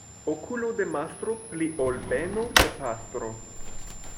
Okulo de mastro pli ol beno de pastro.